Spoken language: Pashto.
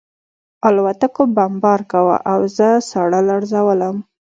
الوتکو بمبار کاوه او زه ساړه لړزولم